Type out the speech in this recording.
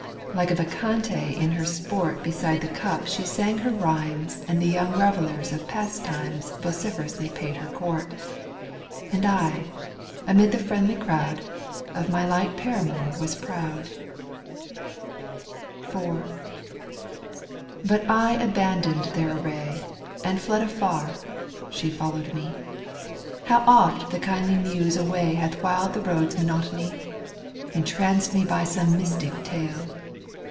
Like a Bacchante in her sport Digitized by CjOOQ 1С CASTTO vm .. EUGENE ONEGUINK 223 Beside the cup she sang her rhymes And the young reveller» of past times Vociferously paid her court, And I, amid the friendly crowd. Of my light paramour was f)roud. IV, But I abandoned their array, And fled afar — she followed me. How oft the kindly Muse away Hath whiled the road's monotony, Entranced me by some mystic tale.